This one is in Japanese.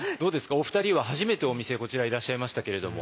お二人は初めてお店こちらいらっしゃいましたけれども。